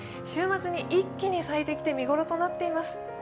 週末に一気に咲いてきて見ごろとなっています。